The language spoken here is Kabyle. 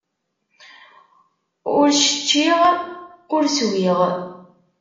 Ur cččiɣ, ur swiɣ.